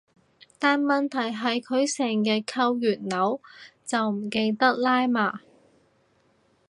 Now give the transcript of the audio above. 但問題係佢成日扣完鈕就唔記得拉嘛